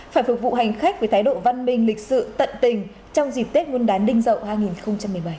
phải phục vụ hành khách với thái độ văn minh lịch sự tận tình trong dịp tết nguyên đán đinh dậu hai nghìn một mươi bảy